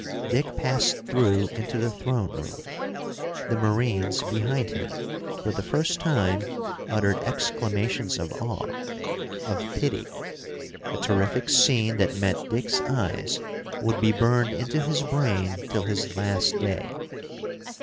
Dick passed through into the throne room. The Marines, behind him, for the first time uttered exclamations of awe of pity. The terrific scene that met Dick's eyes would be burned into his brain till his last day.